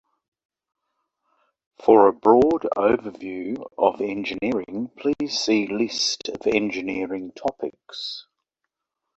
For a broad overview of engineering, please see List of engineering topics.